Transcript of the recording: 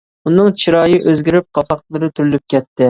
ئۇنىڭ چىرايى ئۆزگىرىپ، قاپاقلىرى تۈرۈلۈپ كەتتى.